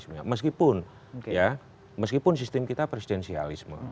meskipun ya meskipun sistem kita presidensialisme